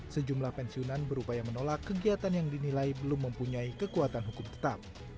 sejumlah pensiunan berupaya menolak kegiatan yang dinilai belum mempunyai kekuatan hukum tetap